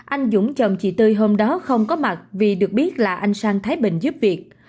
anh dũng chồng chị tươi hôm đó không có mặt vì được biết là anh sang thái bình giúp việc